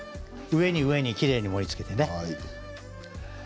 上に上にきれいに盛りつけてね。